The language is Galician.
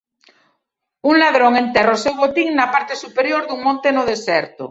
Un ladrón enterra o seu botín na parte superior dun monte no deserto.